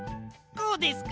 こうですか？